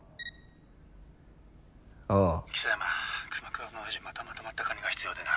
象山熊倉のオヤジまたまとまった金が必要でな。